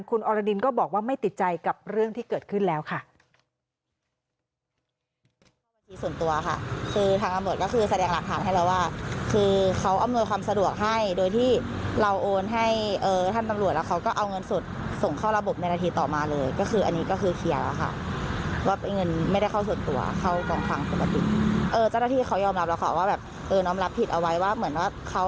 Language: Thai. คุณอรดินก็บอกว่าไม่ติดใจกับเรื่องที่เกิดขึ้นแล้วค่ะ